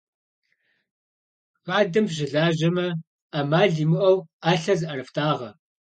Хадэм фыщылажьэмэ, ӏэмал имыӏэу ӏэлъэ зыӏэрыфтӏагъэ.